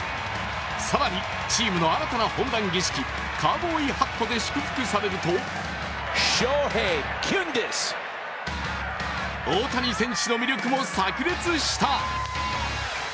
更にチームの新たなホームラン儀式、カウボーイハットで祝福されると大谷選手の魅力もさく裂した。